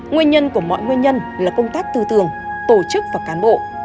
nguyên nhân của mọi nguyên nhân là công tác tư tưởng tổ chức và cán bộ